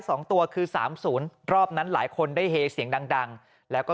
สองตัวคือสามศูนย์รอบนั้นหลายคนได้เฮเสียงดังดังแล้วก็